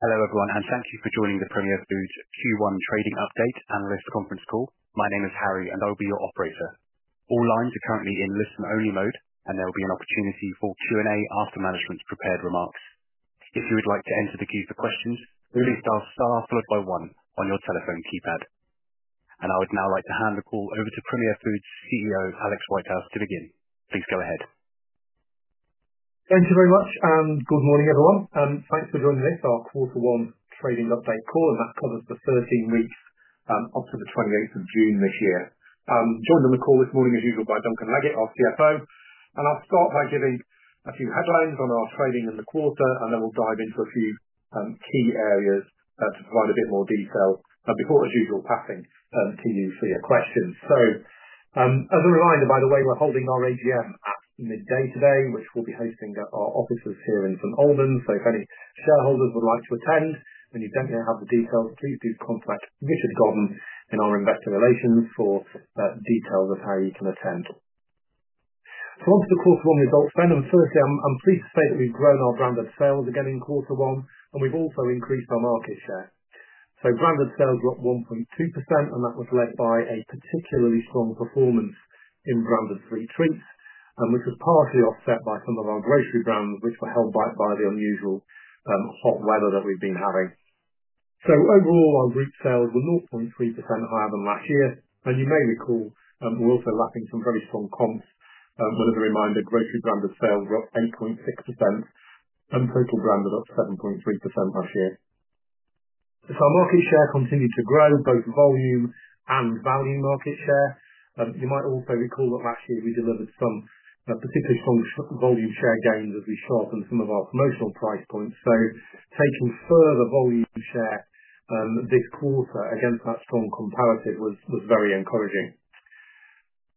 Hello everyone and thank you for joining the Premier Foods Q1 trading update analyst conference call. My name is Harry and I will be your operator. All lines are currently in listen-only mode, and there will be an opportunity for Q&A after management's prepared remarks. If you would like to enter the queue for questions, please dial star followed by one on your telephone keypad. I would now like to hand the call over to Premier Foods CEO Alex Whitehouse to begin. Please go ahead. Thank you very much and good morning everyone, and thanks for joining this, our quarter one trading update call. Covers the 13 weeks up to 28th of June this year. I'm joined on the call this morning as usual by Duncan Leggett, our CFO. I'll start by giving a few headlines on our trading in the quarter. We'll dive into a few key areas to provide a bit more detail before, as usual, passing to you for your questions. As a reminder, by the way, we're holding our AGM at midday today which we will be hosting our offices here in St Albans. If any shareholders would like to attend and you don't have the details, please contact Richard Godden in our Investor Relations for details of how you can attend. On to the quarter one results then. Firstly, I'm pleased to say that we've grown our branded sales again in quarter one, and we've also increased our market share. Branded sales were up 1.2%, and that was led by a particularly strong performance in branded sweet treats, which was partially offset by some of our grocery brands, which were held back by the unusual hot weather that we've been having. Overall, our group sales were 0.3% higher than last year. You may recall we're also lapping some very strong comps. As a reminder, grocery branded sales were up 8.6% and total branded up 7.3% last year. Market share continued to grow, both volume and value market share. You might also recall that last year we delivered some particularly strong volume share gains as we sharpened some of our promotional price points. Taking further volume share this quarter against that strong comparative, was very encouraging.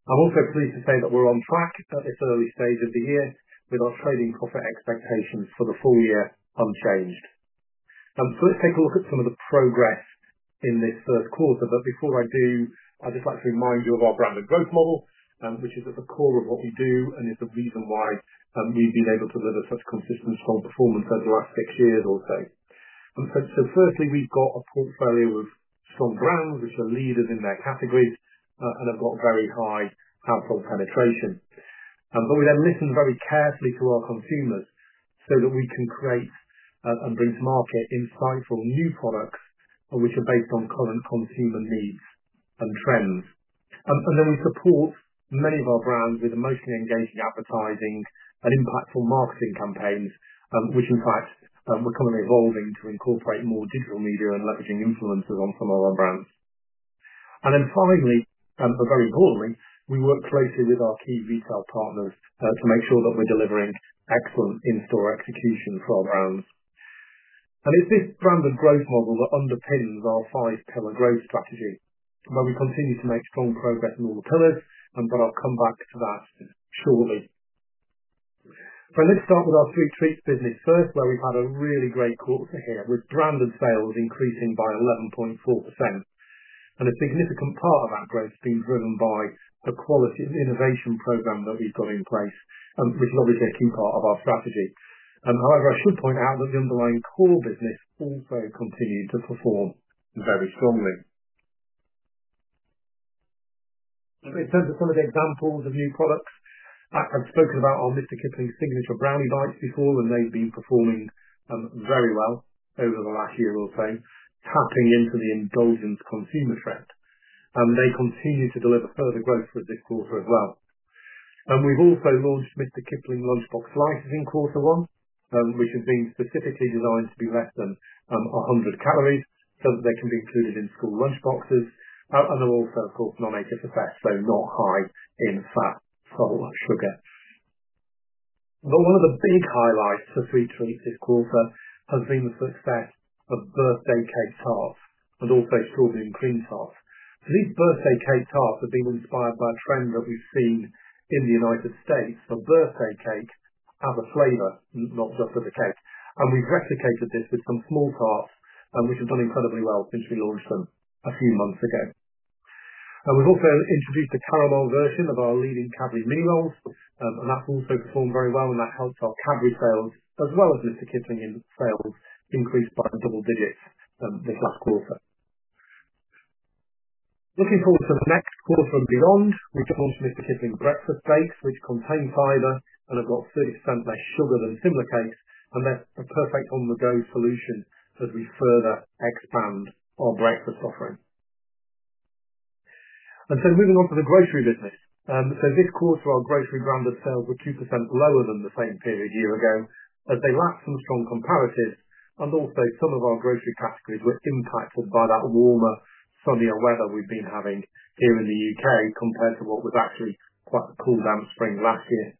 I'm also pleased to say that we're on track at this early stage of the year with our trading profit expectations for the full year unchanged. Let's take a look at some of the progress in this first quarter. Before I do, I'd just like to remind you of our branded growth model, which is at the core of what we do is the reason why we've been able to deliver such consistent, strong performance over the last six years or so. Firstly, we've got a portfolio of strong brands, which are leaders in their categories. They have got very high penetration. We then listen very carefully to our consumers so that we can create and bring to market insightful new products which are based on current consumer needs and trends. We support many of our brands with emotionally engaging advertising and impactful marketing campaigns, which in fact we're currently evolving to incorporate more digital media and leveraging influencers on some of our brands. Finally, but very importantly, we work closely with our key retail partners to make sure that we're delivering excellent in-store execution for our brands. It is this branded growth model that underpins our five pillar growth strategy, where we continue to make strong progress in all the pillars. I'll come back to that shortly. Let's start with our Sweet Treats business first, where we've had a really great quarter here, with branded sales increasing by 11.4%. A significant part of that growth has been driven by the quality innovation program that we've got in place, which is obviously a key part of our strategy. However, I should point out that the underlying core business also continues to perform very strongly. In terms of some of the examples of new products, I've spoken about our Mr Kipling Signature Brownie Bites before, and they've been performing very well over the last year or so, tapping into the indulgent consumer trend. They continue to deliver further growth for this quarter as well. We've also launched Mr Kipling Lunchbox Slices in quarter one, which has been specifically designed to be less than 100 calories so that they can be included in school lunchboxes and are also of course, non-HFSS, so not high in fat, sugar. One of the big highlights for Sweet Treats this quarter has been the success of Birthday Cake Tarts and also Shortcake Cream Tarts. These Birthday Cake Tarts have been inspired by a trend that we've seen in the United States for birthday cake as a flavor, not just as a cake. We have replicated this with some small parts, which have done incredibly well since we launched them a few months ago. We've also introduced a caramel version of our leading Cadbury Mini Rolls, and that's also performed very well. That helped our Cadbury sales as well as Mr Kipling sales increased by double digits this last. Looking forward to the next quarter and beyond, we launched Mr Kipling Breakfast Bakes, which contain fiber and have got 30% less sugar than similar cakes, and that's a perfect on-the-go solution as we further expand our breakfast offering. And moving on to the grocery business, this quarter our grocery brands' sales were 2% lower than the same period a year ago as they lacked some strong comparatives on, and also some of our grocery categories were impacted by that warmer, sunnier weather we've been having here in the U.K. compared to what was actually quite the cool, damp spring last year.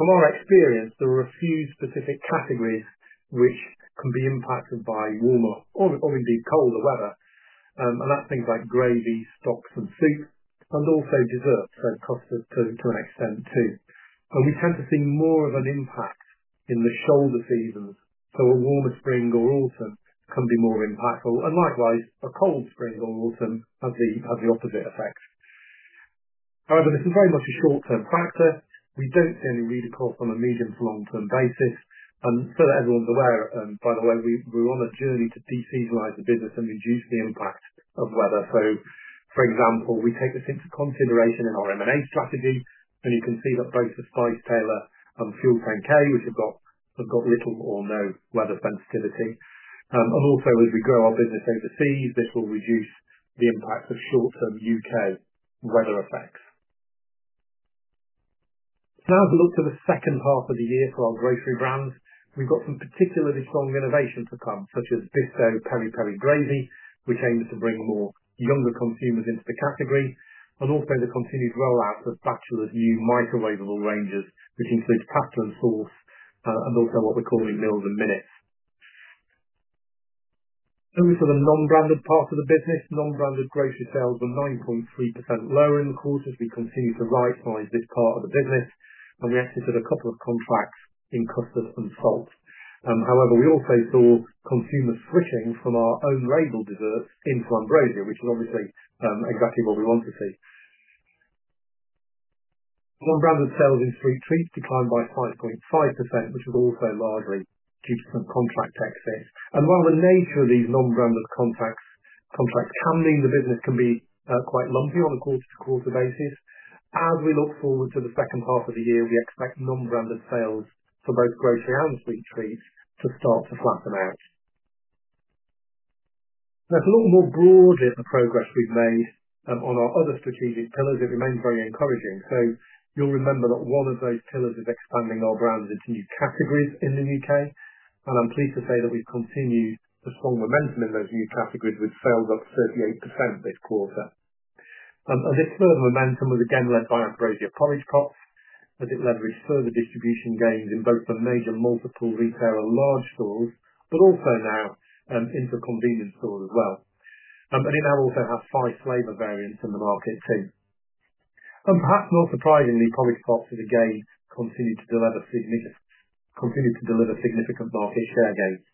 From our experience, there are a few specific categories which can be impacted by warmer or indeed colder weather, and that's things like gravy, stocks, and soups, and also desserts. Costs to an extent too. We tend to see more of an impact in the shoulder seasons. A warmer spring or autumn can be more impactful, and likewise a cold spring or autumn has the opposite effect. However, this is very much a short-term factor. We don't see any recourse on a medium to long-term basis. So that everyone's aware by the we're on a journey to deseasonalize the business and reduce the impact of weather. For example, we take this into consideration in our M&A strategy, and you can see that both The Spice Tailor and FUEL10K, which have got little or no weather sensitivity, and also as we grow our business overseas, this will reduce the impact of short-term U.K. weather effects. Now, as we look to the second half of the year for our grocery brands, we've got some particularly strong innovation to come such as Bisto Peri-Peri Gravy, which aims to bring more younger consumers into the category, and also the continued rollout of Batchelors new microwavable ranges, which includes Pasta ‘n’ Sauce and also what we're calling Meal in Minutes. Over to the non-branded part of the business, non-branded grocery sales were 9.3% lower in the quarter. As we continue to rightsize this part of the business, we exited a couple of contracts in custard and salt. However, we also saw consumers switching from our own label desserts into Ambrosia, which is obviously exactly what we want to see. Non-branded sales in sweet treats declined by 5.5%, which was also largely due to some contract exit. While the nature of these non-branded contract handling the business can be quite lumpy on a quarter-to-quarter basis, as we look forward to the second half of the year, we expect non-branded sales for both grocery and sweet treats to start to flatten out. Now, to look more broadly at the progress we've made on our other strategic pillars, it remains very encouraging. You'll remember that one of those pillars is expanding our brands into new categories in the U.K. I'm pleased to say that we've continued the strong momentum in those new categories with sales up 38% this quarter. This further momentum was again led by Ambrosia porridge pots as it leveraged further distribution gains in both the major multiples retailer large stores, but also now into convenience stores as well. It now also has five flavor variants in the market too. Perhaps more surprisingly, porridge pots have again, continued to deliver significant market share gains.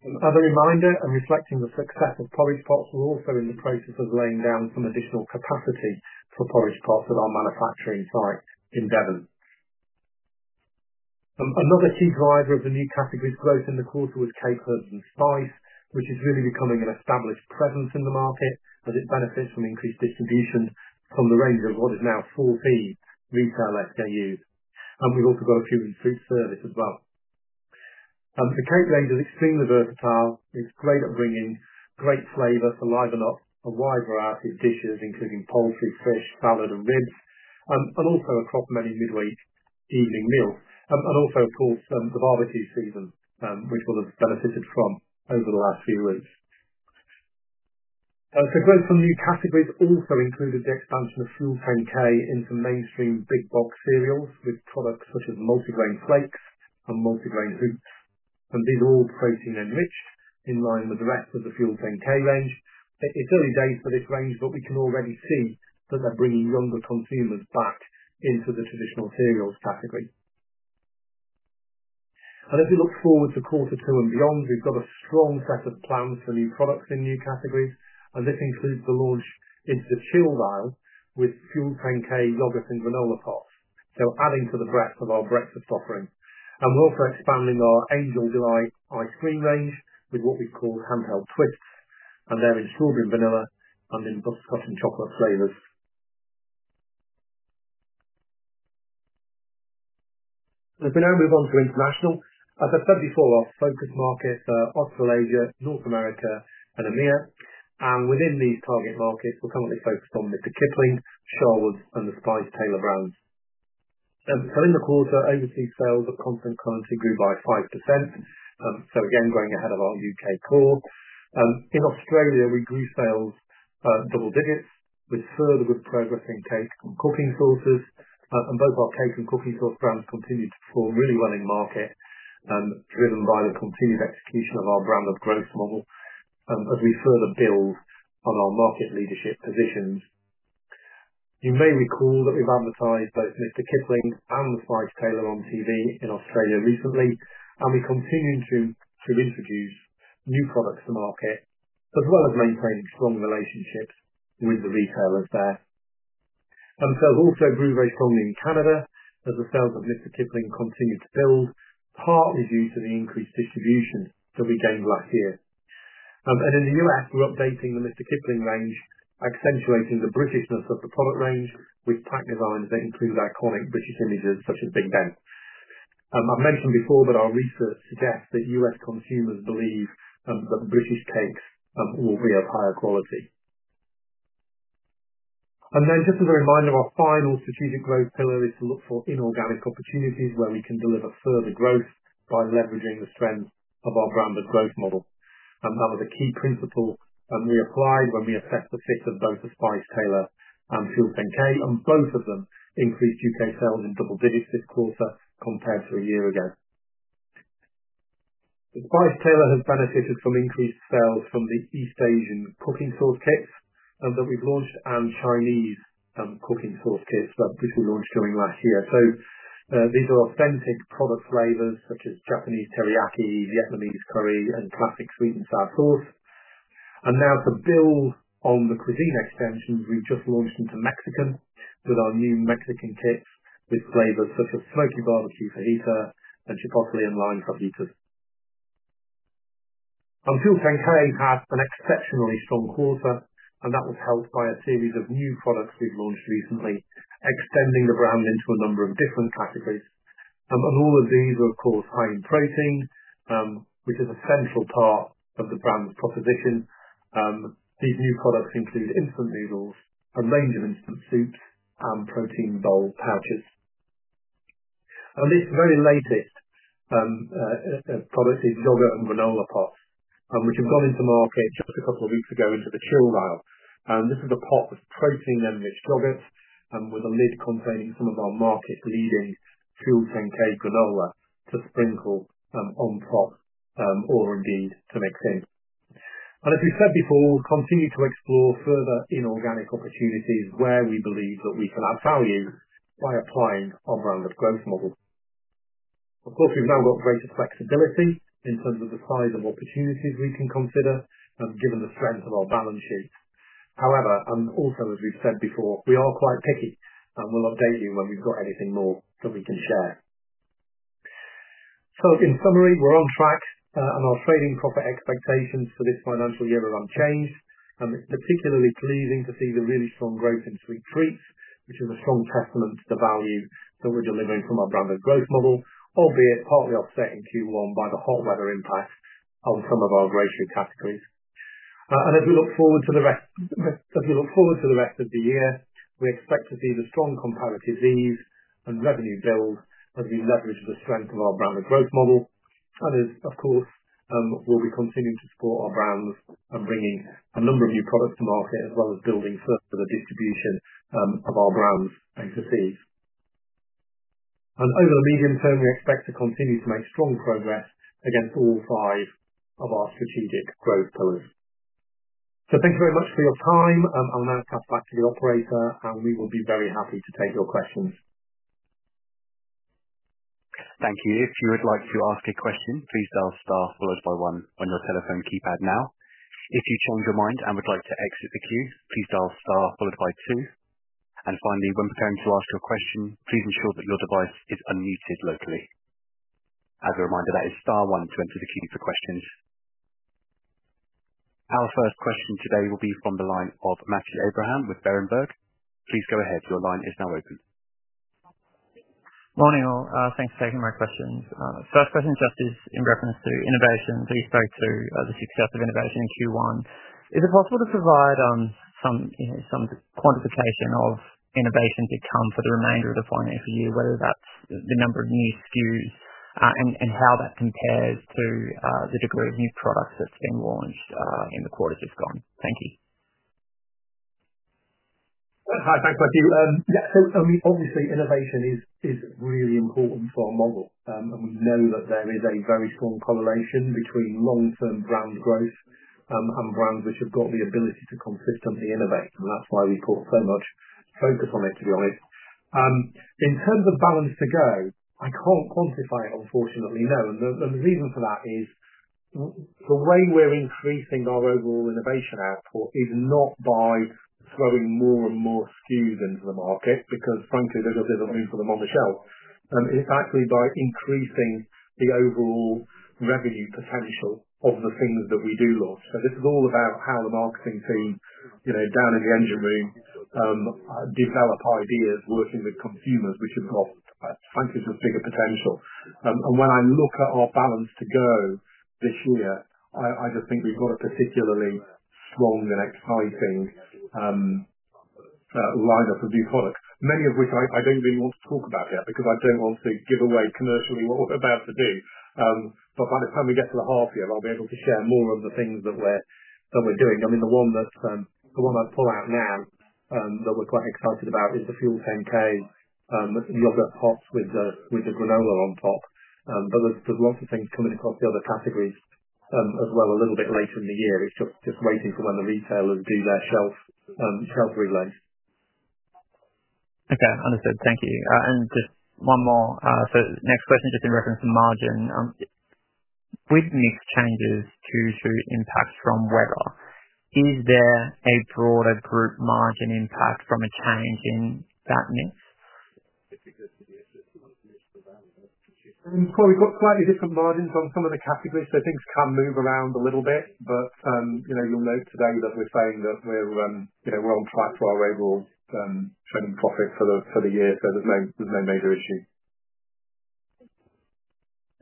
As a reminder and reflecting the success of Ambrosia porridge pots, we're also in the process of laying down some additional capacity for porridge pots at our manufacturing site in Devon. Another key driver of the new categories growth in the quarter was Cape Herb & Spice, which is really becoming an established presence in the market as it benefits from increased distribution from the range of what is now 14 retail SKUs. We've also got a few food service as well. Cape Herb & Spice range is extremely versatile. It's great at bringing great flavor to liven up a wide variety of dishes, including poultry, fish, salad, and ribs. Also across many midweek evening meals. Of course, the barbecue season will have benefited us over the last few weeks. Growth from new categories also included the expansion of FUEL10K in some mainstream big box cereals with products such as multigrain flakes and multigrain hoops. These are all protein enriched in line with the rest of the FUEL10K range. It's early days for this range, but we can already see that they're bringing younger consumers back into the traditional cereals category. As we look forward to quarter two and beyond, we've got a strong set of plans for new products in new categories. This includes the launch into the chilled aisle with FUEL10K yogurt and granola pots, adding to the breadth of our breakfast offering. We're also expanding our Angel Delight ice cream range with what we call handheld twists, and they're in strawberry and vanilla, and then butterscotch and chocolate flavors. If we now move on to international. As I've said before, our focus markets are Australasia, North America, and EMEA. Within these target markets, we're currently focused on Mr Kipling, Sharwood's, and The Spice Tailor brands. In the quarter, overseas sales at constant currency grew by 5%. Again, going ahead of our U.K. Core, in Australia we grew sales double digits with further good progress in cake and cooking sauces, and both our cake and cooking sauce brands continue to perform really well in market, driven by the continued execution of our branded growth model as we further build on our market leadership positions. You may recall that we've advertised both Mr Kipling and The Spice Tailor on TV in Australia recently, and we continue to do interviews, new products to market, as well as maintaining strong relationships with the retailers there. Sales also grew very strongly in Canada as the sales of Mr Kipling continue to build, partly due to the increased distribution that we gained last year. In the U.S. we're updating the Mr Kipling range, accentuating the Britishness of the product range with pack designs that include iconic British images such as Big Ben. I mentioned before that our research suggests that U.S. consumers believe that British cakes will be of higher quality. Just as a reminder, our final strategic growth pillar is to look for inorganic opportunities where we can deliver further growth by leveraging the strength of our branded growth model. That was a key principle we applied when we assessed the fit of both the Spice Tailor and FUEL10K. Both of them increased U.K. sales double digits this quarter compared to a year ago. The Spice Tailor has benefited from increased sales from the East Asian cooking sauce kits that we've launched and Chinese cooking sauce kits, which we launched during last year. These are authentic product flavors such as Japanese teriyaki, Vietnamese curry, and classic sweet and sour sauce. To build on the cuisine extensions, we just launched into Mexican with our new Mexican kits with flavors such as smoky barbecue fajita and chipotle and lime fajitas. FUEL10K had an exceptionally strong quarter, and that was helped by a series of new products we've launched recently, extending the brand into a number of different categories. All of these are, of course, high in protein, which is central part of the brand's proposition. These new products include instant noodles, a range of instant soups and protein bowl pouches, and this very latest product is yogurt and granola pots which have gone into market just a couple of weeks ago into the chill vial. This is a pot of protein-enriched yogurt with a lid containing some of our market-leading FUEL10K granola to sprinkle on top or indeed to mix in. As we said before, we'll continue to explore further inorganic opportunities where we believe that we can add value by applying our branded growth model. Of course, we've now got greater flexibility in terms of the size of opportunities we can consider, given the strength of our balance sheet. However, as we've said before we are quite picky, and we'll update when we've got anything more that we can share. In summary, we're on track and our trading profit expectations for this financial year are unchanged. It's particularly pleasing to see the really strong growth in sweet treats, which is a strong testament to the value that we're delivering from our branded growth model, albeit partly offset in Q1 by the hot weather impact on some of our grocery categories. As we look forward to the rest of the year, we expect to see the strong comparative ease. Revenue build as we leverage the strength of our branded growth model. We'll be continuing to support our brands and bringing a number of new products to market, as well as building further the distribution of our brands A to Z. Over the medium term, we expect to continue to make strong progress against all five of our strategic growth pillars. Thank you very much for your time. I'll now pass back to the operator. We will be very happy to take your questions. Thank you. If you would like to ask a question, please dial star followed by one on your telephone keypad. If you change your mind and would like to exit the queue, please dial star followed by two. Finally, when preparing to ask your question, please ensure that your device is unmuted locally. As a reminder, that is star one to enter the queue for questions. Our first question today will be from the line of Matthew Abraham with Berenberg. Please go ahead. Your line is now open. Morning all. Thanks for taking my questions. First question just is in reference to innovation. You spoke to the success of innovation in Q1. Is it possible to provide some quantification of innovation to come for the remainder of the financial year, whether that's the number of new SKUs and how that compares to the degree of new products that's been launched in the quarters have gone. Thank you. Hi, thanks, Matthew. Obviously, innovation is really important for our model. We know that there is a very strong correlation between long-term brand growth. Brands which have got the ability to consistently innovate, that's why we put so much focus on it, to be honest. In terms of balance-to-go, I can't quantify it, unfortunately. No. The reason for that is the we're increasing our overall innovation output it's not by throwing more and more SKUs into the market, because frankly there's a bit of room for them on the shelf. It's actually by increasing the overall revenue potential of the things that we do launch is all about how the marketing team down in the engine room develop ideas, working with consumers, which have got, frankly, there's a bigger potential. When I look at our balance-to-go this year, I just think we've got a particularly strong and exciting lineup of new products, many of which I don't really want to talk about yet because I don't want to give away commercially what we're about to do. By the time we get to the half year, I'll be able to share more of the things that we're doing. The one I pull out now that we're quite excited about is the FUEL10K yogurt and granola pots with the granola on top. There are lots of things coming across the other categories as well a little bit later in the year. It's just waiting for when the retailers do their shelf relay. Okay, understood. Thank you. Just one more next question, just in reference to margin with mix changes to impact from weather, is there a broader group margin impact from a change in that mix? We've got slightly different margins on some of the categories, so things can move around a little bit. You'll note today that we're saying that we're on track to our overall trading profit for the year, so there's no major issue.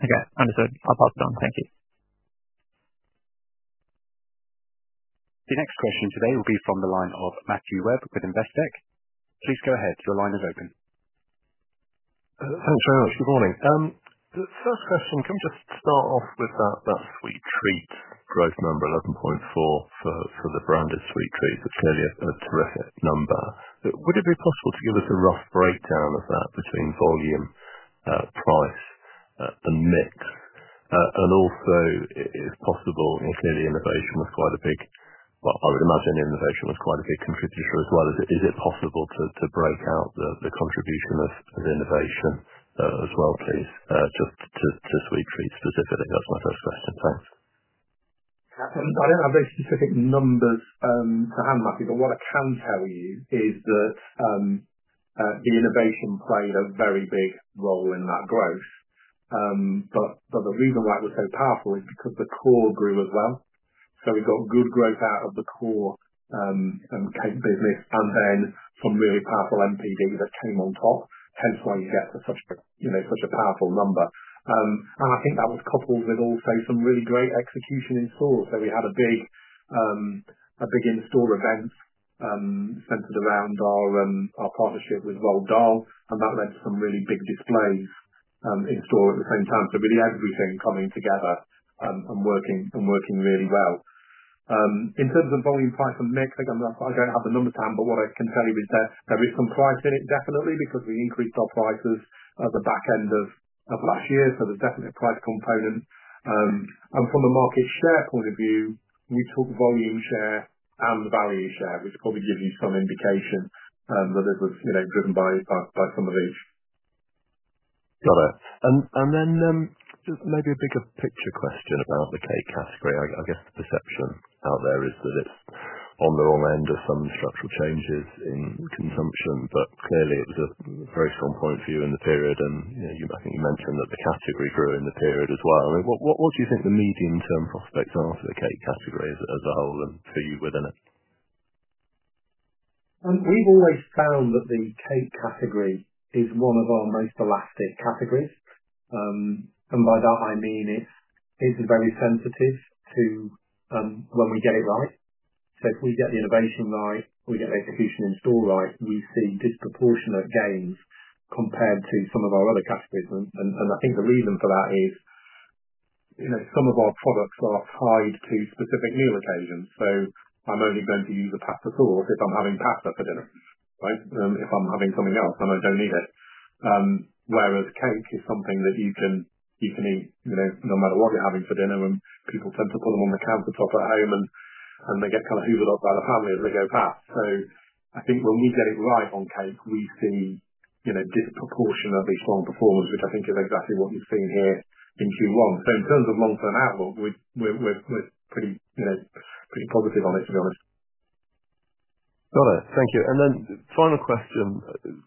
Okay, understood. I'll pass it on. Thank you. The next question today will be from the line of Matthew Webb with Investec. Please go ahead. Your line is open. Thanks very much. Good morning. The first question, can we just start off with that sweet treat growth number, 11.4% for the branded sweet treats? Clearly a terrific number. Would it be possible to give us a rough breakdown of that between volume, price, and mix? Also, if possible, clearly innovation was quite a big contributor as well. Is it possible to break out the contribution of innovation as well, please, just to sweet treats specifically? That's my first question. Thanks. I don't have those specific numbers. What I can tell you is that the innovation played a very big role in that growth. The reason why it was so powerful is because the core grew as well. We got good growth out of the core business and then some really powerful MPD that came on top, which is why you get such a powerful number. I think that was coupled with also some really great execution in store. We had a big in-store event centered around our partnership with Roald Dahl, and that led to some really big displays in store at the same time. Everything came together and worked really well in terms of volume, price, and mix. I don't have the numbers down. What I can tell you is that there is some price in it, definitely because we increased our prices at the back end of last year, so there's definitely a price component. From a market share point of view. We took volume share and value share, which probably gives you some indication that it was driven by some of each. Got it. Maybe a bigger picture question about the cake category. I guess the perception out there is that it's on the wrong end of some structural changes in consumption. It was a very strong point for you in the period, and I think you mentioned that the category in the period as well. What do you think the medium-term prospects are for the cake category as a whole and for you within it? We've always found that the cake category is one of our most elastic categories. By that I mean it's very sensitive to when we get it right, so if we get the innovation right. We get the execution in store right, we see disproportionate gains compared to some of our other categories. I think the reason for that is some of our products are tied to specific meal occasions. I'm only going to use a pasta sauce if I'm having pasta for dinner. If I'm having something else, I don't eat it. Cake is something that you can eat no matter what you're having for dinner. People tend to put them on the countertop at home, and they get kind of hoovered up by the family as they go past. I think when we get it right on cake, we see disproportionately strong performance, which I think is exactly what you've seen here in Q1. In terms of long term outlook, we're pretty positive on it, to be honest. Got it. Thank you. The final question,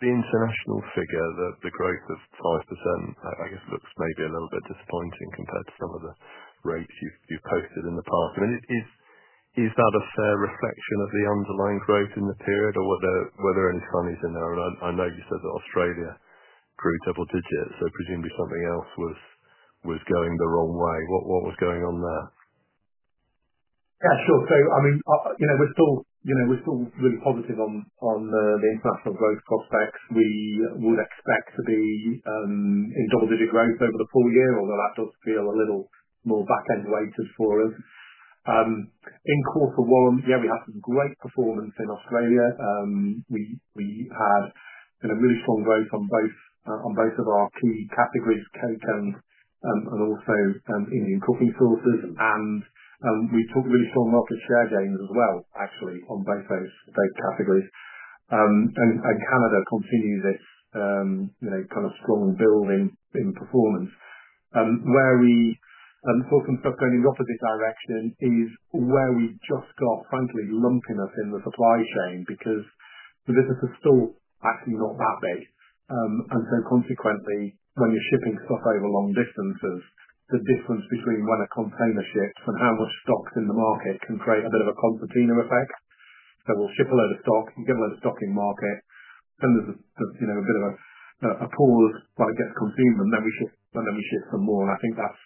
the international figure, the growth of 5% I guess looks maybe a little bit disappointing compared to some of the rates you've posted in the past. Is that a fair reflection of the underlying growth in the period or were there any signings in there? I know you said that Australia grew double digits, so presumably something else was going the wrong way. What was going on there? Yeah, sure. I mean, we're still really positive on the international growth prospects, we would expect to be in double-digit growth over the full year, although that does feel a little more back-end weighted for us. In quarter one, we had some great performance in Australia. We had really strong growth on both of our key categories, cake and also Indian cooking sauces. We took really strong market share gains as well, actually on both those categories. Canada continues its kind of strong building in performance. Where we saw some stuff going in the opposite direction is where we just got, frankly, lumpiness in the supply chain. Because the business is still actually not that big. Consequently, when you're shipping stuff over long distances, the difference between when a container ships and how much stocks in the market can create a bit there is a concertina effect. We ship a load of stock and give them a stocking market, then there's a bit of a pause while it gets consumed, and then we ship some more. I think that's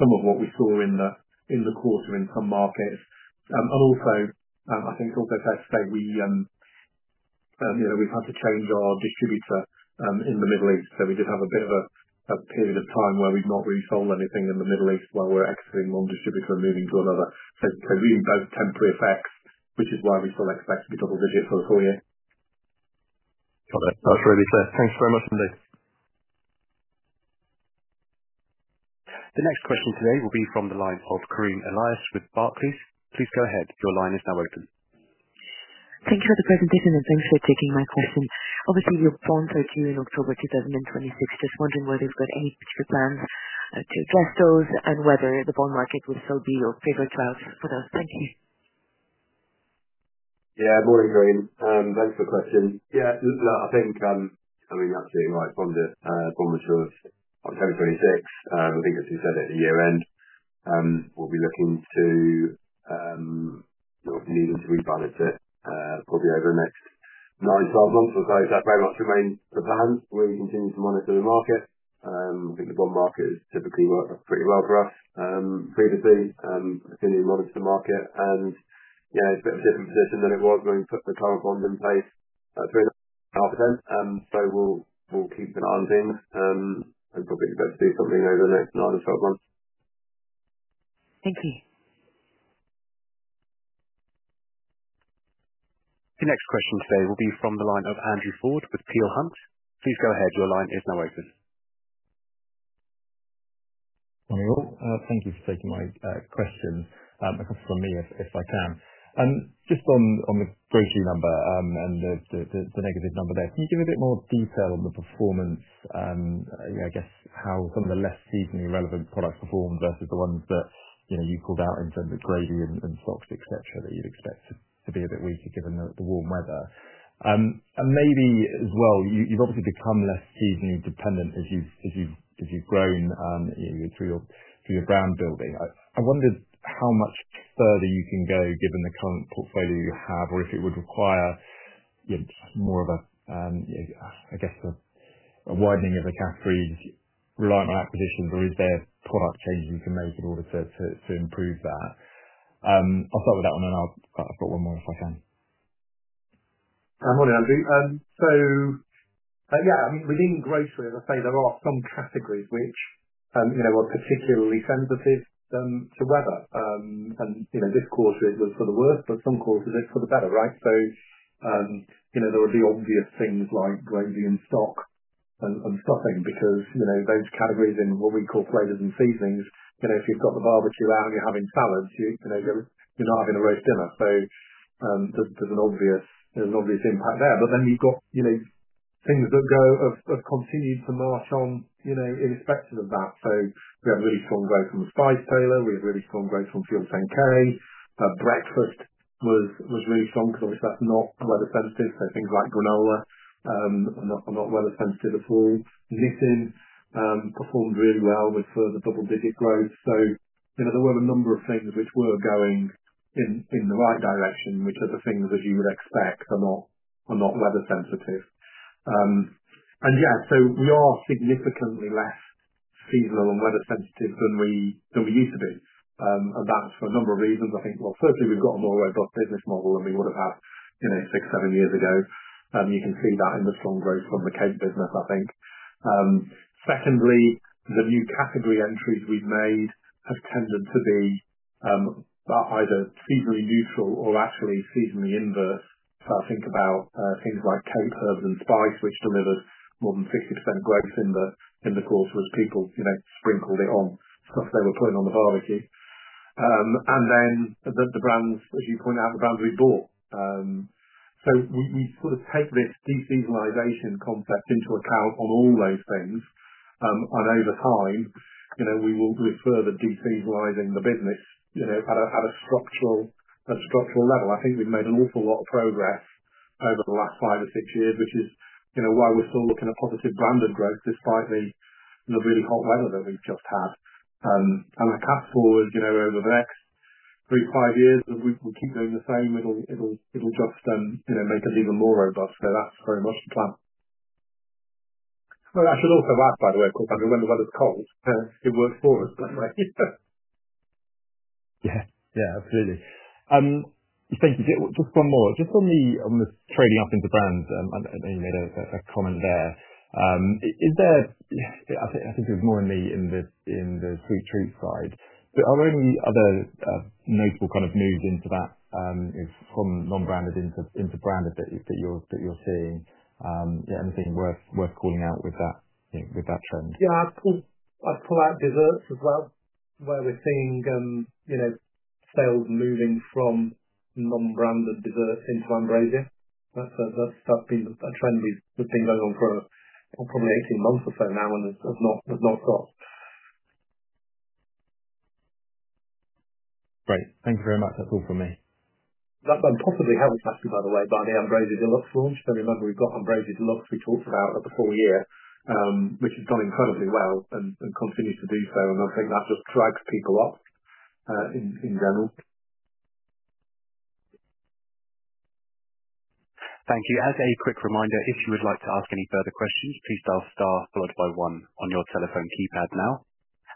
some of what we saw in the quarter in some markets. I think it's also fair. We've had to change our distributor in the Middle East. We did have a bit of a period of time where we've not really sold anything in the Middle East while we're exiting one distributor and moving to another. These are temporary effects, which is why we still expect to be double digit for the full year. Got it. That's really fair. Thanks very much indeed. The next question today will be from the line of Karine Elias with Barclays. Please go ahead. Your line is now open. Thank you for the presentation and thanks for taking my question. Obviously your bond is due in October 2026. Just wondering whether you've got any particular plans to address those and whether the bond market will still be your favorite cloud for those. Thank you. Yeah, morning, Karine. Thanks for the question. I think, absolutely right from this time all the way through October 2026. I think as we said at the year end we'll be looking to need them to rebalance it probably over the next nine or 12 months or so. That very much remains the plan. We continue to monitor the market. I think the bond market has typically worked pretty well for us, we'll continue to monitor the market, and it's a bit of a different position than it was when we put the current bond in place at 3.5%. We'll keep an eye on things and probably be able to do something over the next nine or 12 months. Thank you. The next question today will be from the line of Andrew Ford with Peel Hunt. Please go ahead. Your line is now open. Morning all. Thank you for taking my questions. A couple from me, if I can, just on the grocery number and the negative number there, can you give a bit more detail on the performance, I guess how some of the less seasonally relevant products perform versus the ones that you called out in terms of gravy and soups, et cetera, that you'd expect to be a bit weaker given the warm weather, maybe as well. You've obviously become less seasonally dependent as you've grown through your brand building. I wondered how much further you can go given the current portfolio you have or if it would require more of a, I guess a widening of the categories, reliant on acquisitions or is there product changes you can make in order to improve that? I'll start with that one and I've got one more if I can. Good morning, Andrew. Within grocery, as I say. There are some categories which are particularly sensitive to weather. This quarter it was for the worst, but some quarters it's for the better. Right? There would be obvious things like gravy, stocks, and stuffing because those categories, in what we call flavors and seasonings, if you've got the barbecue out and you're having salads, you're not having a roast dinner. There's an obvious impact there. You've got, you know, things. That growth has continued to march on. You know, irrespective of that. We have really strong growth from The Spice Tailor. We have really strong growth from FUEL10K. Breakfast was really strong because obviously that's not weather sensitive. Things like granola are not weather sensitive at all. Nissin performed really well, with further double-digit growth. There were a number of things which were going in the right direction, which are the things, as you would expect, are not weather sensitive. Yes, we are significantly less seasonal and weather sensitive than we used to be. That's for a number of reasons, I think. Firstly, we've got a more robust business model than we would have had six or seven years ago. You can see that in the strong growth from the Cape Herb & Spice business. Secondly, the new category entries we've made have tended to be either seasonally neutral or actually seasonally inverse. I think about things like Cape Herb & Spice, which delivered more than 50% growth in the quarter as people sprinkled it on stuff they were putting on the barbecue, and then the brands, as you pointed out, the brands we bought. We sort of take this deseasonalization concept into account on all those things, and over time we will further deseasonalizing the business at a structural level. I think we've made an awful lot of progress over the last five or six years, which is why we're still looking at positive branded growth despite the really hot weather that we've just had. I cast forward over the next three, five years; if we keep doing the same, it'll just make us even more robust. That's very much the plan. I should also ask, by the way, of course, I remember when the weather's cold. It works for us that way. Yeah, absolutely. Thank you. Just one more, just on the trading up into brands. I know you made a comment there. Is there? I think it was more in the sweet treats side, but are there any other notable kind of moves into that, from non-branded into branded that you're seeing, anything worth calling out with that trend? Yeah, I'd pull out desserts as well, where we're seeing sales moving from non-branded desserts into Ambrosia. That's been a trend that's been going on for probably 18 months or so now and have not got. Great. Thank you very much. That's all from me. That possibly helps, actually, by the way, by the Ambrosia Deluxe launch. Remember, we've got Ambrosia Deluxe, we talked about at the full year, which has done incredibly well and continues to do so, I think that just drags people up in general. Thank you. As a quick reminder, if you would like to ask any further questions, please dial star followed by one on your telephone keypad now.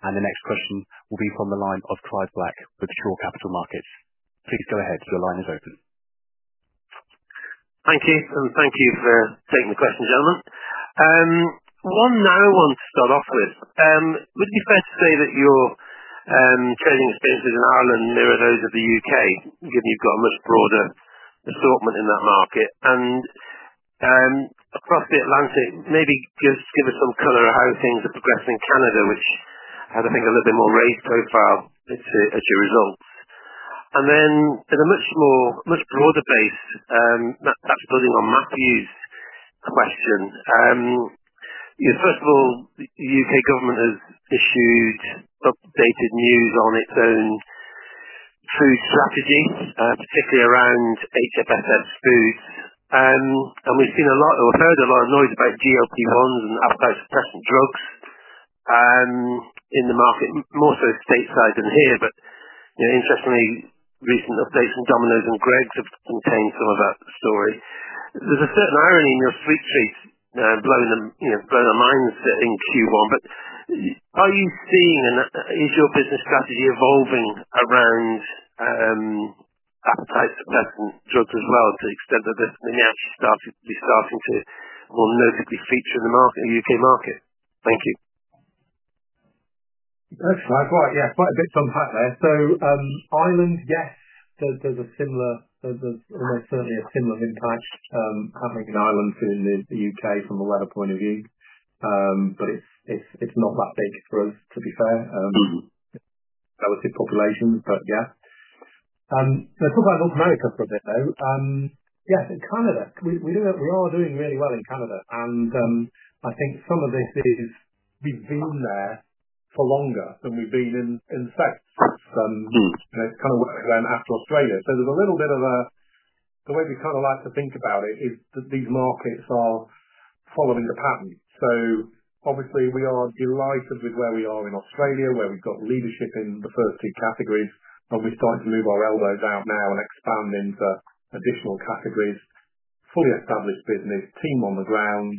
The next question will be from the line of Clive Black with Shore Capital Markets. Please go ahead. Your line is open. Thank you, and thank you for taking the question. Gentlemen, one narrow one to start off with. Would it be fair to say that your trading experiences in Ireland mirror those of the U.K., given you've got a much broader assortment in that market and across the Atlantic. Maybe just give us some color how things are progressing in Canada, which has I think a little bit more, race profile as you result, and then in a much more, much broader base that's building on Matthew's question. First of all, the U.K. government has issued updated news on its own food strategy, particularly around HFSS foods. We've seen a lot or heard a lot of noise about GLP-1s and appetite suppressant drugs in the market, more so stateside than here. Interestingly, recent updates from Domino's or Greggs have contained some of that story. There's a certain irony in your sweet treats blowing the mindset in Q1, but are you seeing and is your business strategy evolving around appetite suppressant drugs as well to the extent that they're now starting to more noticeably feature in the market, in the U.K. market. Thank you. Yeah, quite a bit unpacked there. Ireland, yes, there's a similar, almost certainly a similar impact happening in Ireland and the U.K. from a weather point of view. It's not that big for us, to be fair, relative populations. Yeah, let's talk about North America for a bit though. Yes, in Canada. We are doing really well in Canada, and I think some of this is we've been there for longer than we've been in after Australia. There's a little bit of a, the way we kind of like to think about it is that these markets are following the pattern. Obviously, we are delighted with where we are in Australia, where we've got leadership in the first two categories, and we start to move our elbows out now and expand into additional categories. Fully established business team on the ground,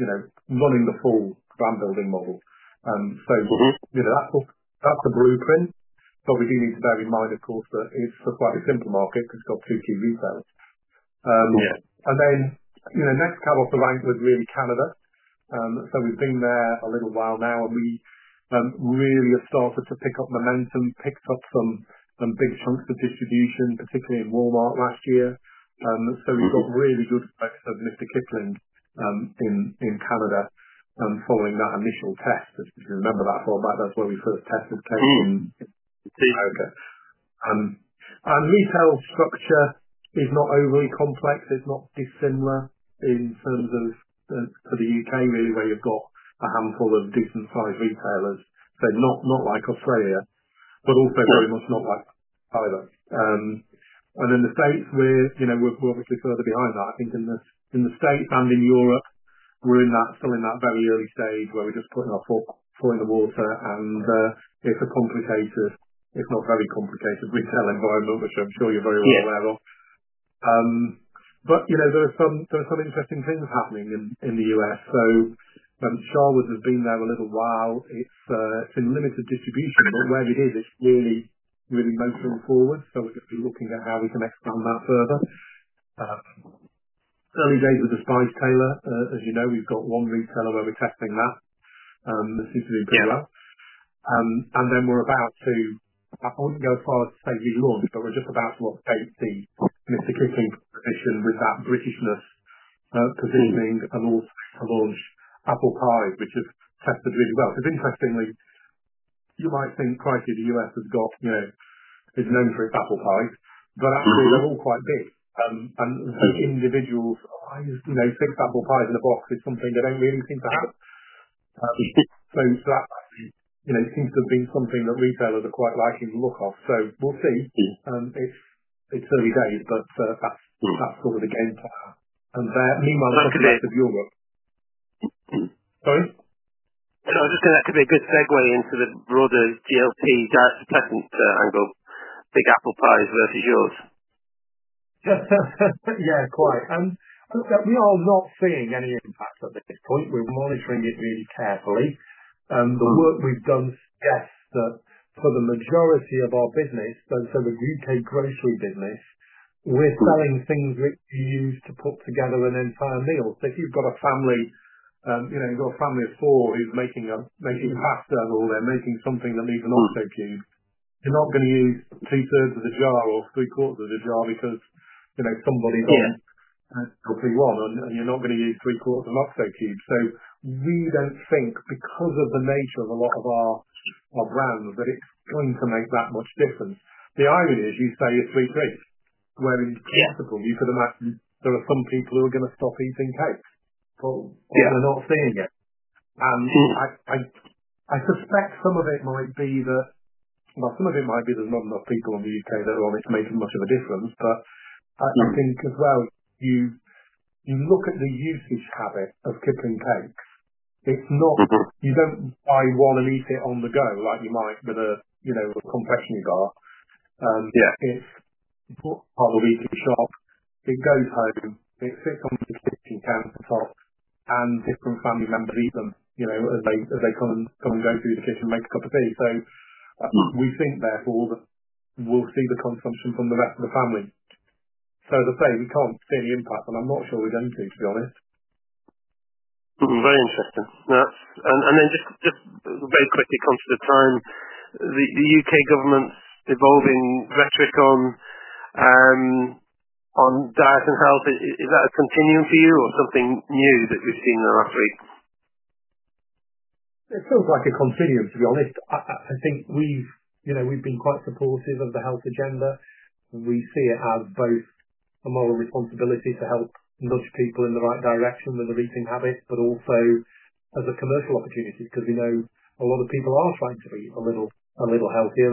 you know, running the full brand building model. That's the blueprint. We do need to bear in mind, of course, that it's quite a simple market because it's got two key retailers, and then, you know, next cab off the rank was really Canada. We have been there a little while now we really have started to pick up momentum, picked up some big chunks of distribution, particularly in Walmart last year, have had really good effects for Mr Kipling in Canada following that initial test. If you remember that fallback, that's where we first tested. The retail structure is not overly complex. It's not dissimilar in terms of for the U.K. really, where you've got a handful of decent-sized retailers. Not like Australia, but also very much not like either. In the States we're obviously further behind that. I think in the States and in Europe we're still in that very early stage where we're just putting our foot in the water. It's a complicated, if not very complicated, retail environment which I'm sure you're very well aware of, there are some interesting things happening in the U.S. Sharwood's has been there a little while. It's in limited distribution, but where it is, it's really motoring forward. We're going to be looking at how we can expand that further. Early days with The Spice Tailor. As you know, we've got one retailer where we're testing that seems to do pretty well, and we're about to I won't go as far as to say relaunch, but we're just about to update the Mr Kipling with that Britishness positioning to launch apple pies, which have tested really well because, interestingly, you might think pricey. The U.S. has got, you know, is known for its apple pies, but actually they're all quite big and individual six apple pies in a box is something they don't really seem to have. That seems to have been something that retailers are quite liking the look of. We will see, but that's sort of the game plan. Meanwhile, sorry. I was just going that could be a good segue into the broader GLP-1 appetite suppressant angle. Big apple pies versus yours. Quite. We are not seeing any impact at this point. We're monitoring it really carefully. The work we've done, that for the majority of our business, the U.K. grocery business, we're selling things which you use to put together an entire meal. If you've got a family, you know, you've got a family of four who's making a making pasta or they're making something that needs an OXO cube, you're not going to use 2/3 of the jar or 3/4 of the jar because you know somebody one, and you're not going to use 3/4 of an OXO cube. We don't think, because of the nature of a lot of our brands. That it's going to make that much difference. The irony is you say you're three-three, where in principle, you could imagine there are some people who are going to stop eating cakes. They're not seeing it. I suspect some of it might be that there’s not enough people in the U.K. that want it to make as much of a difference. I think as well, you look at the usage habit of Kipling cake, it's not. You don't buy one and eat it on the go, like you might with a, you know, a confection bar. Yeah, it's part of the weekly shop. It goes home, it sits on the kitchen countertop, and different family members eat them, you know, as they come and go through the kitchen, make a cup of tea. We think, therefore, that will see the consumption from the rest of the family. As I say, we can't see any impact, I'm not sure we're going to, to be honest. Very interesting. Just very quickly, concept of time, the U.K. government's evolving rhetoric on diet and health. Is that a continuum for you or something new that we've seen in the last week? It feels like a continuum, to be honest. I think we've been quite supportive of the health agenda. We see it as both a moral responsibility to help nudge people in the right direction with their eating habits, but also as a commercial opportunity because we know a lot of people are trying to be a little healthier.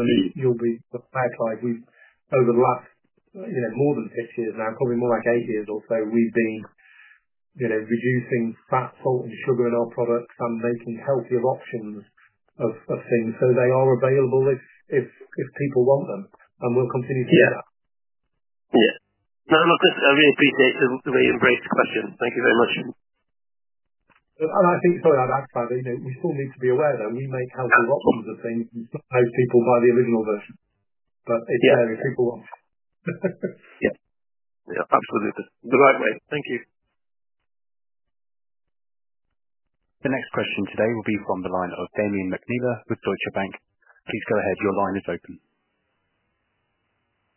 Over the last more than six years now, probably more like eight years or so, we've been reducing fat, salt, and sugar in our products and making healthier options so they are available if people want them, and we'll continue to do that. Yeah, I really appreciate the way you embrace the question. Thank you very much. I think, sorry, I'd ask. We still need to be aware that we make healthy options of things. Sometimes people buy the original version, but it's there if people want it. Yeah, absolutely the right way. Thank you. The next question today will be from the line of Damian McNeela with Deutsche Bank. Please go ahead. Your line is open.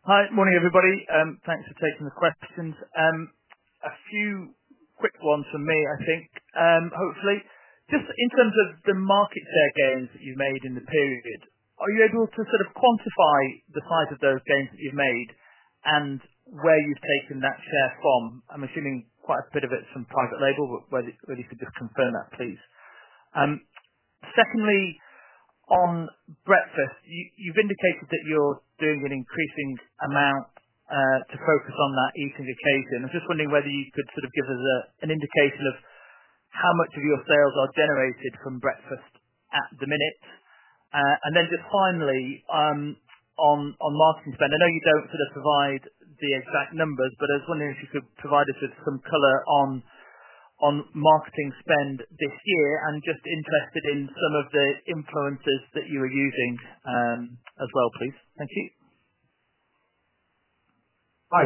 Hi. Morning everybody. Thanks for taking the questions. A few quick ones for me, I think hopefully. Just in terms of the market share gains that you've made in the period, are you able to sort of quantify the size of those gains that you've made and where you've taken that share from? I'm assuming quite a bit of it's from private label, but whether you could just confirm that, please. Secondly, on breakfast you've indicated that you're doing an increasing amount to focus on that eating occasion. I'm just wondering whether you could sort of give us an indication of how much of your sales are generated from breakfast at the minute. Finally, on marketing spend, I know you don't sort of provide the exact numbers, but I was wondering if you could provide us with some color on marketing spend this year and just interested in some of the influences that you are using as well, please. Thank you. Hi.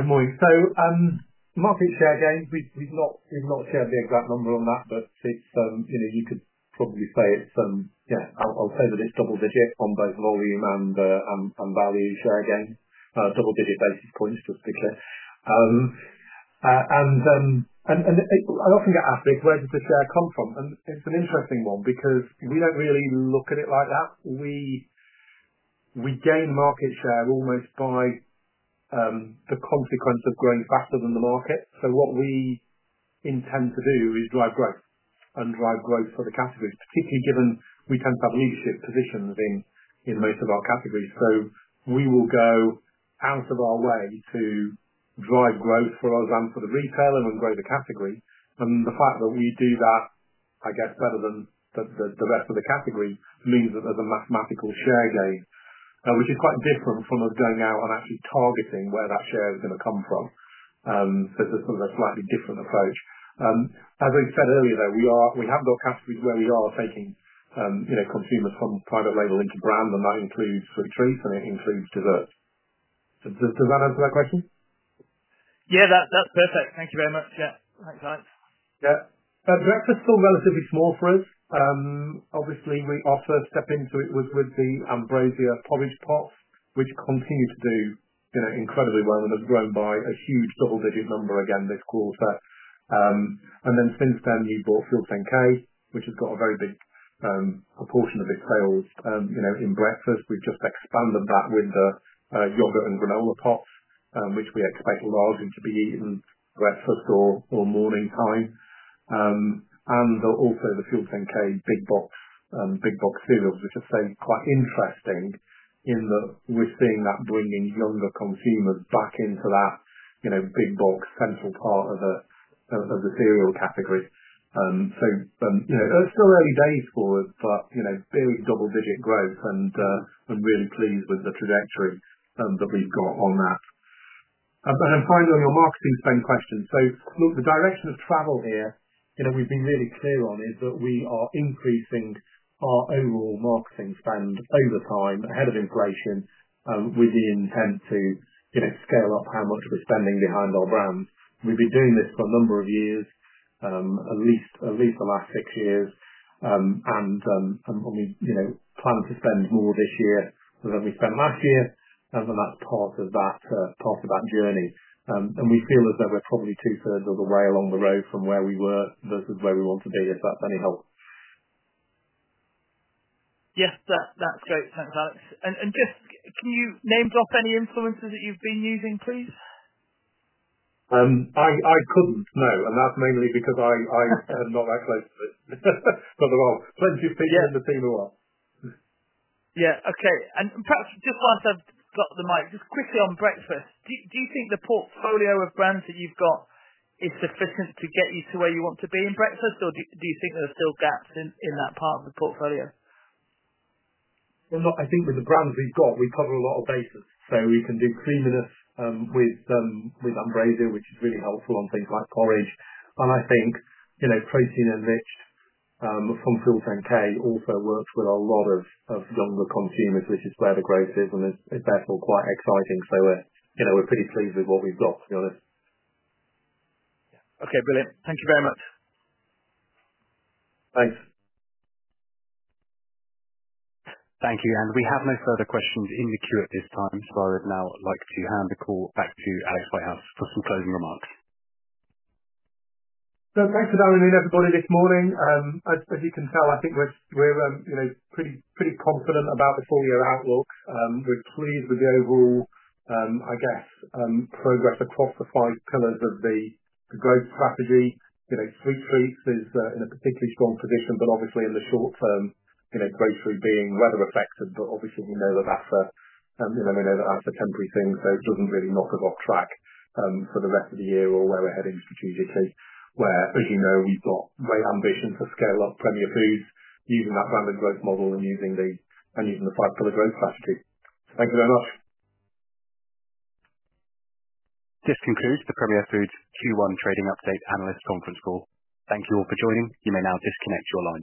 Market share gains, we've not shared the exact number on that, but you could probably say it's double digit on both volume and value share gains, double-digit basis points. Just to be clear. I often get asked where does the share come from? It's an interesting one because we don't really look at it like that. We gain market share almost by the consequence of growing faster than the market. What we intend to do is drive growth for the categories, particularly given we tend to have leadership positions in most of our categories. We will go out of our way to drive growth for us and for the retailer and grow the category. The fact that we do that, I guess better than the rest of the category, means that there's a mathematical share gain, which is quite different from us going out and actually targeting where that share is going to come from. It's sort of a slightly different approach. As I said earlier, we have got categories where we are taking consumers from private label into brand, and that includes sweet treats and it includes dessert. Does that answer that question? Yeah, that's perfect. Thank you very much, Alex. Breakfast is still relatively small for us. Obviously, we offered to step into it with the Ambrosia porridge pots, which continued to do incredibly well and has grown by a huge double-digit number again this quarter. Since then you bought FUEL10K, which has got a very big proportion of its sales in breakfast. We've just expanded that with the yogurt and granola pots, which we expect largely to be eaten at breakfast or morning time. Also, the FUEL10K big box, big box cereals, which are quite interesting in that we're seeing that bringing younger consumers back into that big box central part of the cereal category. It is still early days for us but very double-digit growth, and I'm really pleased with the trajectory that we've got on that. Finally, on your marketing spend question, look, the direction of travel here we've been really clear on is that we are increasing our overall marketing spend over time, ahead of inflation, with the intent to scale up how much we're spending behind our brands. We've been doing this for a number of years, at least the last six years, we plan to spend more this year than we spent last year. That's part of that journey. We feel as though we're probably. Two thirds of the way along the road from where we were versus where we want to be, if that's any help. Yes, that's great. Thanks, Alex. Can you name drop any influencers that you've been using, please? I couldn't, no. That's mainly because I am not that close to it. There are plenty of people in the team who are. Okay. Perhaps just once I've got the mic, just quickly on breakfast. Do you think the portfolio of brands that you've got is sufficient to get you to where you want to be in breakfast, or do you think there are still gaps in that part of the portfolio? I think with the brands we've got, we cover a lot of bases. We can do creaminess with Ambrosia, which is really helpful on things like porridge, and I think protein enriched from FUEL10K. FUEL10K also works with a lot of younger consumers, which is where the growth is and therefore quite exciting. We're pretty pleased with what we've got to be honest. Okay, brilliant. Thank you very much. Thanks. Thank you. We have no further questions in the queue at this time. I would now like to hand the call back to Alex Whitehouse for some closing remarks. Thanks for dialing in everybody this morning. As you can tell, I think we're pretty confident about the full year outlook. We're pleased with the overall, I guess, progress across the five pillars of the growth strategy. Sweet Treats is in a particularly strong position, but obviously in the short term grocery being weather affected. Obviously, we know that that's a temporary thing, so it doesn't really knock us off track for the rest of the year or where we're heading strategically. As you know, we've got great ambition to scale up Premier Foods using that branded growth model and using the five pillar growth strategy. Thank you very much. This concludes the Premier Foods Q1 trading update analyst conference call. Thank you all for joining. You may now disconnect your lines.